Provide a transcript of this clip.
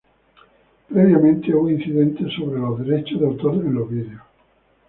Previamente hubo incidentes acerca de los derechos de autor en los videos.